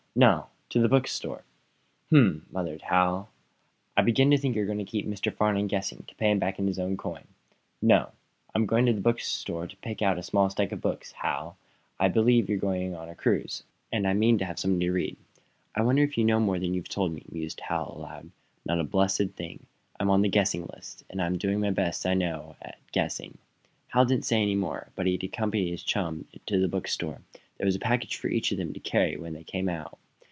"No; to the bookstore." "Hm!" muttered Hal. "I begin to think you're going to keep Mr. Farnum guessing, to pay him back in his own coin." "No; I'm going up to the store to pick out a small stack of books. Hal, I believe we're going on a cruise, and I mean to have something to read." "I wonder if you know more than you've told me?" mused Hal, aloud. "Not a blessed thing. I'm on the guessinglist, and I'm doing the best I know how at guessing." Hal didn't say any more, but accompanied his chum to the book store. There was a package for each of them to carry when they came out.